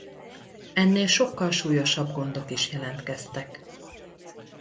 Ennél sokkal súlyosabb gondok is jelentkeztek.